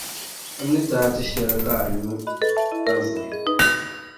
N ni ti a tiʼshɛli ka a nyu, ka vuhi.